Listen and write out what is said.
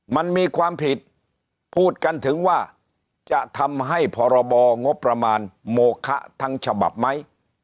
มันมีความผิดพูดกันถึงว่าจะทำให้พรบงบประมาณโมคะทั้งฉบับไหม